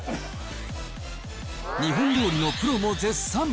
日本料理のプロも絶賛。